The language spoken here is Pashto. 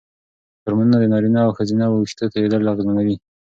هورمونونه د نارینه او ښځینه وېښتو توېیدل اغېزمنوي.